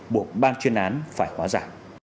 buộc bang chuyên án phải hóa giả